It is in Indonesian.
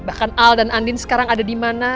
bahkan al dan andin sekarang ada di mana